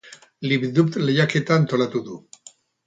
Lipdub lehiaketa antolatu du.